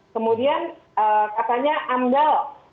kemudian katanya amdal